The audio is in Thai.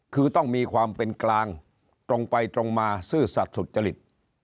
คือต้องมีความเป็นกลางตรงไปตรงมาซื่อสัตว์สุจริต